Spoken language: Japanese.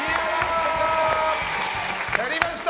やりました！